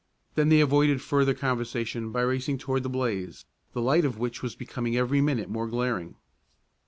Then they avoided further conversation by racing toward the blaze, the light of which was becoming every minute more glaring.